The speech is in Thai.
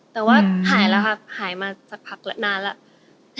แต่ว่าหายมาสักพักนานแล้ว